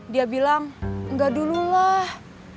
dia bilang enggak dululah